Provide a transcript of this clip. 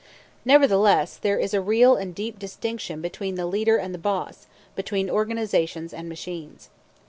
Nevertheless, there is a real and deep distinction between the leader and the boss, between organizations and machines.